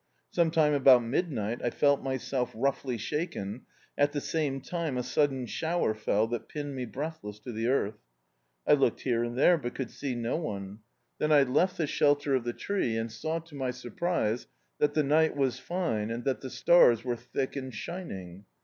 Sometime about midnight, I felt myself roughly shaken, at the same time a sudden shower fell that piimed me breathless to the earth. I looked here and there, but could see no one. Then I left D,i.,.db, Google The House Boat the shelter of the tree and saw to my surprise, that the ni^t was fine, and that the stars were thick and shining.